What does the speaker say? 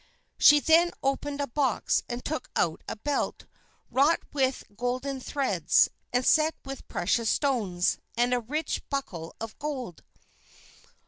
She then opened a box and took out a belt, wrought with golden threads, and set with precious stones, and a rich buckle of gold.